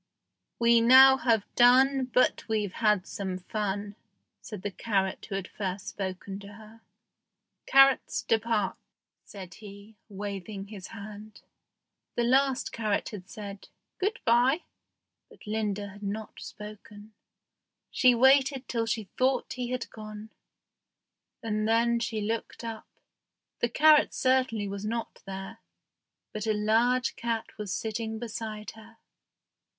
"We now have done, But we've had some fun," said the carrot who had first spoken to her. "Carrots, depart," said he, waving his hand. The last carrot had said "Good by," but Linda had not spoken. She waited till she thought he had gone, and then she looked up. The carrot certainly was not there, but a large cat was sitting beside her.